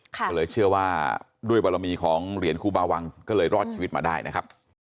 ก็เลยเชื่อว่าด้วยบารมีของเหรียญครูบาวังก็เลยรอดชีวิตมาได้นะครับ